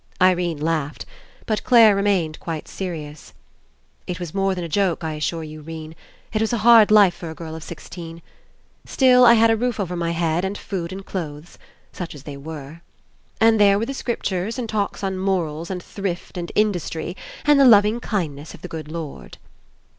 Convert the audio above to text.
Irene laughed. But Clare remained quite serious. "It was more than a joke, I assure you, 'Rene. It was a hard life for a girl of sixteen. Still, I had a roof over my head, and food, and clothes — such as they were. And there were the Scriptures, and talks on morals and thrift and industry and the loving kindness of the good Lord."